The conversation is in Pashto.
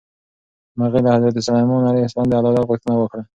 مرغۍ له حضرت سلیمان علیه السلام د عدالت غوښتنه وکړه.